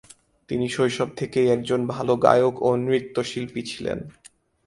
তিনি শৈশব থেকেই একজন ভালো গায়ক ও নৃত্যশিল্পী ছিলেন।